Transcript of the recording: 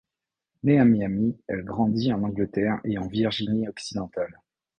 Née à Miami, elle grandit en Angleterre et en Virginie-Occidentale.